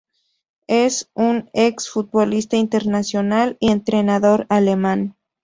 Es un ex futbolista internacional y entrenador alemán.